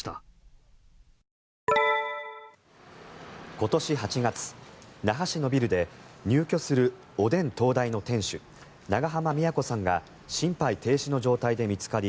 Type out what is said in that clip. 今年８月、那覇市のビルで入居する、おでん東大の店主長濱美也子さんが心肺停止の状態で見つかり